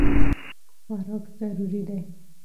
خوراک ضروري دی.